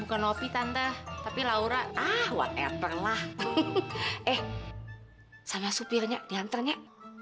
bukan opi tante tapi laura ah whatever lah eh sama supirnya diantre nya